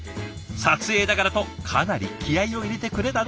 撮影だからとかなり気合いを入れてくれたんだとか。